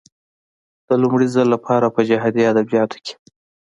د لومړي ځل لپاره په جهادي ادبياتو کې.